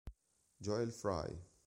Joel Fry